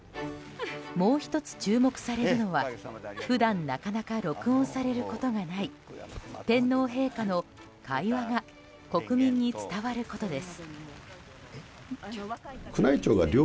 もう１つ注目されるのは普段なかなか録音されることがない天皇陛下の会話が国民に伝わることです。